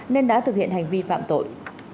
nên đã thực hiện hành vi phạm tội